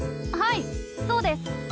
はいそうです。